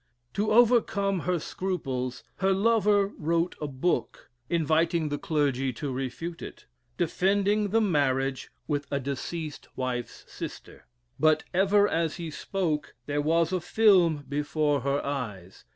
To overcome her scruples, her lover wrote a book (inviting the clergy to refute it,) defending the marriage with a deceased wife's sister. But ever as he spoke there was a film before her eyes.